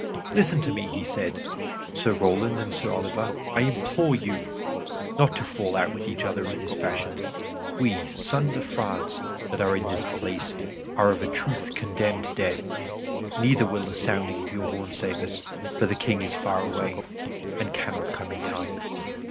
"Listen to me," he said, "Sir Roland and Sir Oliver. I implore you not to fall out with each other in this fashion. We, sons of France, that are in this place, are of a truth condemned to death, neither will the sounding of your horn save us, for the King is far away, and cannot come in time.